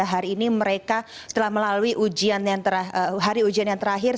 hari ini mereka setelah melalui hari ujian yang terakhir